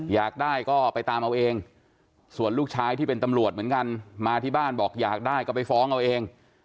อยากได้ก็ไปตามเอาเองส่วนลูกชายที่เป็นตำรวจเหมือนกันมาที่บ้านบอกอยากได้ก็ไปฟ้องเอาเอง